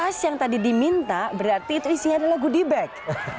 pas yang tadi diminta berarti itu isinya adalah goodie bag